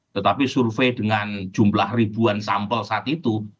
tetapi survei dengan jumlah ribuan sampel saat itu